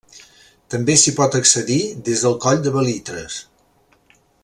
També s'hi pot accedir des del Coll dels Belitres.